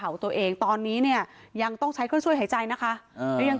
ของตัวเองตอนนี้เนี่ยยังต้องใช้เครื่องช่วยหายใจนะคะหรือยัง